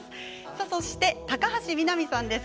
そして、高橋みなみさんです。